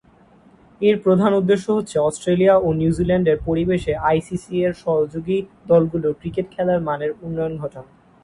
এর প্রধান উদ্দেশ্য হচ্ছে অস্ট্রেলিয়া ও নিউজিল্যান্ডের পরিবেশে আইসিসি’র সহযোগী দলগুলোর ক্রিকেট খেলার মানের উন্নয়ন ঘটানো।